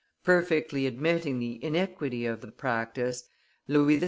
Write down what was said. Perfectly admitting the iniquity of the practice, Louis XVI.